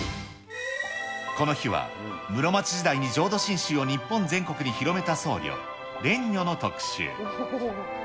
この日は、室町時代に浄土真宗を日本全国に広めた僧侶、蓮如の特集。